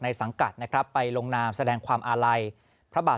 สังกัดนะครับไปลงนามแสดงความอาลัยพระบาท